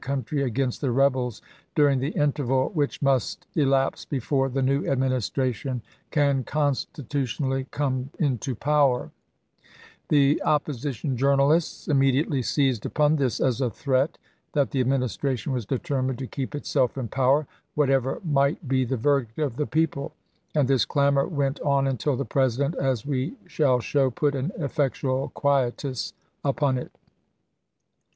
y c country against the rebels during the interval 0 forethear which must elapse before the new Administration p. 499. can constitutionally come into power 1 "* The opposition journalists immediately seized upon this as a threat that the Administration was de termined to keep itself in power whatever might be the verdict of the people, and this clamor went on until the President, as we shall show, put an 1864. effectual quietus upon it.